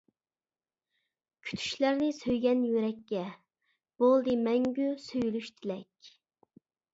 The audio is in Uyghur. كۈتۈشلەرنى سۆيگەن يۈرەككە، بولدى مەڭگۈ سۆيۈلۈش تىلەك.